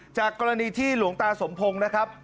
จากกรณีที่หลวงตาสมพงศ์นะครับ